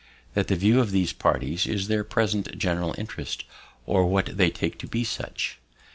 "That the view of these parties is their present general interest, or what they take to be such.